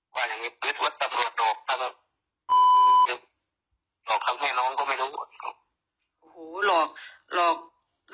ว่าอย่างนี้ปื๊ดว่าตำรวจโหลเข้ามาสงสัยด้วย